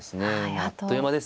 あっという間ですね。